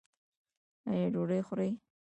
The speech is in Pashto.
ایا ډوډۍ خورئ؟